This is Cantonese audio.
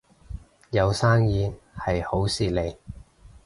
有生意係好事嚟